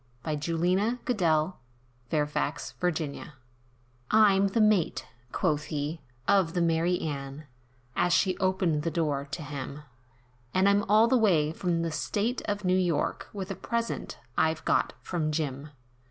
[Illustration: The Mate of the Mary Anne] "I'M the Mate," quoth he, "Of the 'Mary Anne,'" As she opened the door to him, And I'm all the way from the state of New York, With a present, I've got from Jim!"